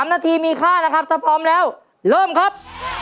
๓นาทีมีค่านะครับถ้าพร้อมแล้วเริ่มครับ